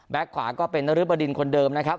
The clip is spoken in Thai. ขวาก็เป็นนรึบดินคนเดิมนะครับ